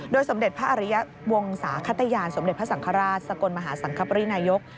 สมเด็จพระอริยะวงศาขตยานสมเด็จพระสังฆราชสกลมหาสังคปรินายก